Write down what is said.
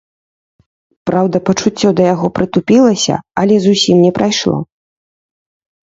Праўда, пачуццё да яго прытупілася, але зусім не прайшло.